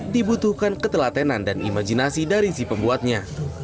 dibutuhkan ketelatenan dan imajinasi dari si pembuatnya